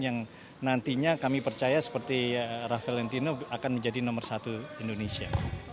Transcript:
yang nantinya kami percaya seperti rafalentino akan menjadi nomor satu indonesia